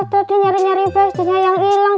tadi nyari nyari pastinya yang hilang